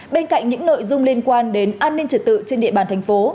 bên cạnh những nội dung liên quan đến an ninh trật tự trên địa bàn thành phố